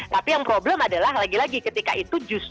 tapi yang problem adalah lagi lagi ketika itu justru